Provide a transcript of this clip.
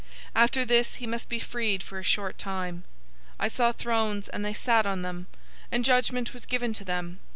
After this, he must be freed for a short time. 020:004 I saw thrones, and they sat on them, and judgment was given to them.